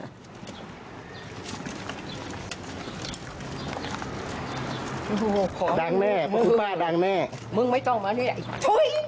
โอ้โหขอดังแน่พ่อทุกป้าดังแน่มึงไม่ต้องมานี่ไอ้